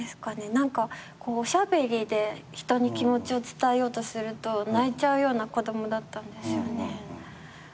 何かおしゃべりで人に気持ちを伝えようとすると泣いちゃうような子供だったんですよね。